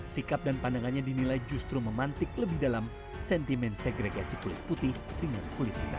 sikap dan pandangannya dinilai justru memantik lebih dalam sentimen segregasi kulit putih dengan kulit hitam